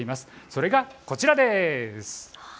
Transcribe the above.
それがこちらです。